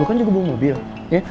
lu kan juga mau mobil ya